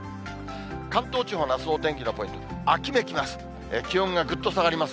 関東地方のあすの天気のポイント、秋めきます。